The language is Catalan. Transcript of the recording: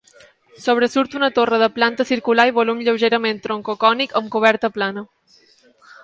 Sobresurt una torre de planta circular i volum lleugerament troncocònic amb coberta plana.